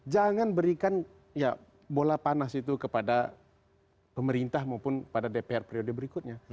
jangan berikan ya bola panas itu kepada pemerintah maupun pada dpr periode berikutnya